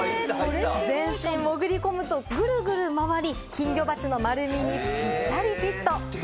全身潜り込むとぐるぐる回り、金魚鉢の丸みにぴったりフィット。